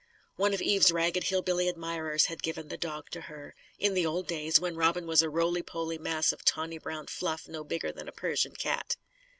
One of Eve's ragged hill billy admirers had given the dog to her; in the old days, when Robin was a roly poly mass of tawny brown fluff, no bigger than a Persian cat.